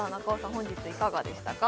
本日いかがでしたか？